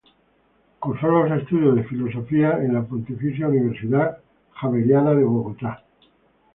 Cursó los estudios de filosofía en la Pontificia Universidad Javeriana de Bogotá.